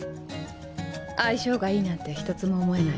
相性がいいなんて一つも思えない。